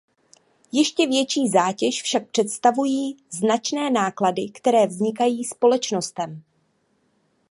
Ještě větší zátěž však představují značné náklady, které vznikají společnostem.